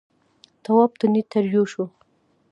تواب تندی تريو شو.